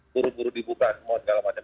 buru buru dibuka semua segala macam